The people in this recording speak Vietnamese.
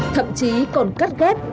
thậm chí còn cắt ghép